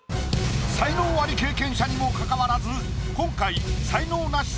才能アリ経験者にもかかわらず今回中川翔子！